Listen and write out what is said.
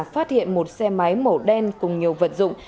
phát hiện một xe máy màu đen cùng nhiều vật dụng